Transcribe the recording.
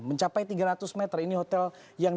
mencapai tiga ratus meter ini hotel yang